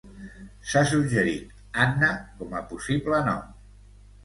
S'ha suggerit "Anna" com a possible nom.